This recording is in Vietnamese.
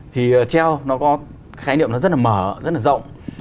thì treo nó có khái niệm nó rất là mở rất là rộng